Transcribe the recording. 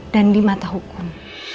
di mata tuhan